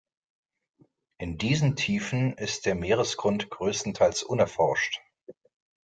In diesen Tiefen ist der Meeresgrund größtenteils unerforscht.